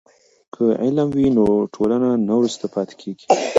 که علم وي نو ټولنه نه وروسته پاتې کیږي.